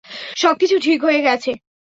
সবকিছু ঠিক হয়ে গেছে।